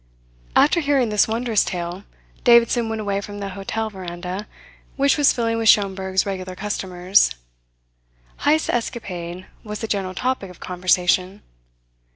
After hearing this wondrous tale, Davidson went away from the hotel veranda, which was filling with Schomberg's regular customers. Heyst's escapade was the general topic of conversation.